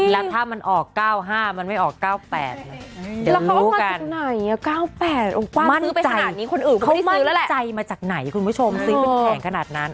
ไหนคุณผู้ชมซีพยักแผงขนาดนั้น